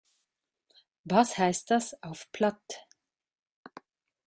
Was heißt das auf Platt?